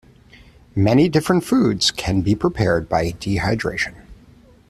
Many different foods can be prepared by dehydration.